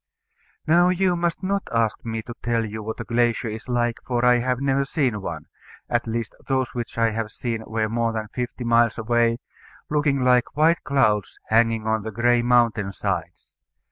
Now you must not ask me to tell you what a glacier is like, for I have never seen one; at least, those which I have seen were more than fifty miles away, looking like white clouds hanging on the gray mountain sides.